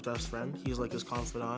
dia seperti seorang penyayang